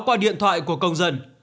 qua điện thoại của công dân